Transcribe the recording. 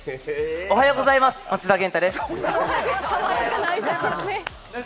おはようございます、松田元太です。